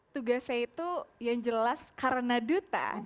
tugas saya itu yang jelas karena duta